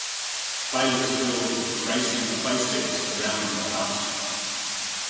Players build racing playsets around the house.